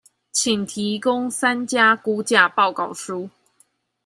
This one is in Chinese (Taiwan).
請提供三家估價報告書